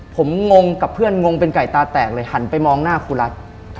ผมงงกับเพื่อนงงเป็นไก่ตาแตกเลยหันไปมองหน้าครูรัฐ